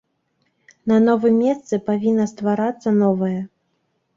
На новым месцы павінна стварацца новае.